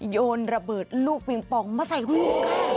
โยนระเบิดลูกปิงปองมาใส่หู